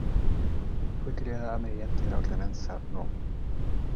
Fue creada mediante la ordenanza No.